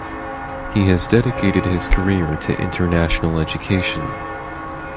He has dedicated his career to international education.